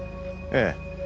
ええ。